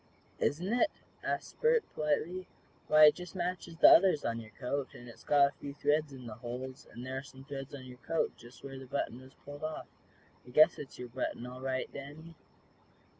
"Isn't it?" asked Bert, politely. "Why, it just matches the others on your coat, and it's got a few threads in the holes, and there are some threads in your coat, just where the button was pulled off. I guess it's your button, all right, Danny."